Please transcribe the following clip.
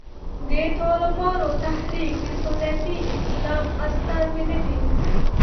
د طالبانو تحریک د سنتي اسلام استازی نه دی.